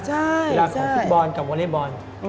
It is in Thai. กีฬาของฟุตบอลกับวอเล็กบอล